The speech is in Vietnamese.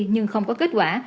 nhưng không có kết quả